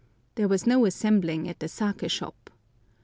There was no assembling at the saké shop.